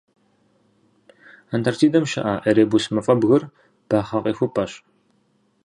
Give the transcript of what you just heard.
Антарктидэм щыӏэ Эребус мафӏэбгыр бахъэ къихупӏэщ.